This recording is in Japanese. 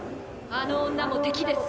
あの女も敵です。